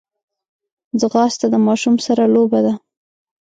ځغاسته د ماشوم سره لوبه ده